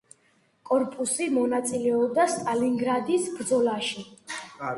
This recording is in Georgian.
კორპუსი მონაწილეობდა სტალინგრადის ბრძოლაში.